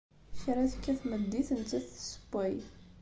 Kra tekka tmeddit, nettat tessewway.